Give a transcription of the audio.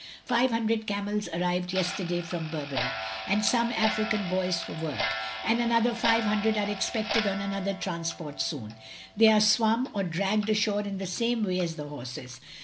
... 500 carnels arrived yes terday from Berbera, and some African boys for work, — and another 500 are expected on another transport soon; they are swum or dragged ashore in the same way as the horses